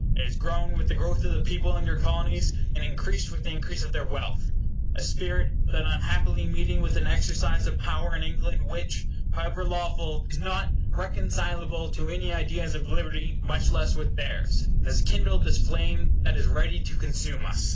It has grown with the growth of the people in your Colonies, and increased with the increase of their wealth; a spirit that unhappily meeting with an exercise of power in England which, however lawful, is not reconcilable to any ideas of liberty, much less with theirs, has kindled this flame that is ready to consume us.